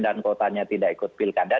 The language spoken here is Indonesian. dan kotanya tidak ikut pilkada